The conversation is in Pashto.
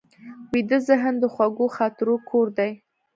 ویده ذهن د خوږو خاطرو کور دی